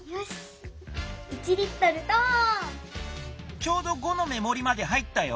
ちょうど５の目もりまで入ったよ。